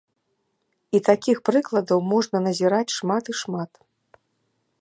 І такіх прыкладаў можна назіраць шмат і шмат.